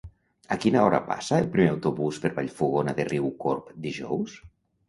A quina hora passa el primer autobús per Vallfogona de Riucorb dijous?